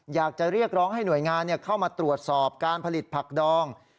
อยากจะเรียกร้องให้หน่วยงานเข้ามาตรวจสอบการผลิตผักดอง